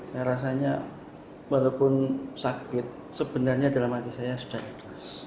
saya rasanya walaupun sakit sebenarnya dalam hati saya sudah ikhlas